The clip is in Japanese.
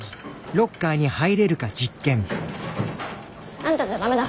あんたじゃダメだ。